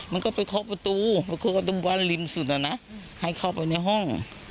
มันก็ไปเคาะประตูตรงวันริมสุดอ่ะนะให้เข้าไปในห้อง